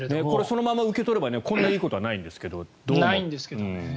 これ、そのまま受け取ればこんないいことはないんですが。ないんですけどね。